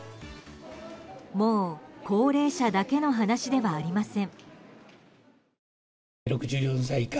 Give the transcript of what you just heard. もう高齢者だけの話ではありません。